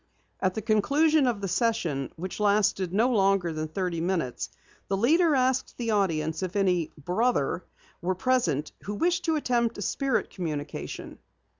At the conclusion of the session which lasted no longer than thirty minutes, the leader asked the audience if any "brother" were present who wished to attempt a spirit communication.